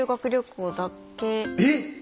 えっ！？